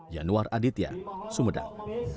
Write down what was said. januar aditya sumedang